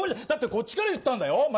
だってこっちから言ったんだよ？